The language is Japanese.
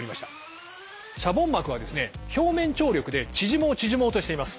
シャボン膜はですね表面張力で縮もう縮もうとしています。